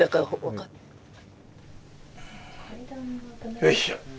よいしょ。